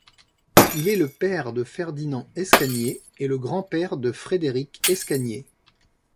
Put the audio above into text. Il est le père de Ferdinand Escanyé et le grand-père de Frédéric Escanyé.